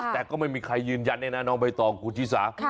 แต่ก็ไม่มีใครยืนยันเองนะน้องใบตองกูจิสา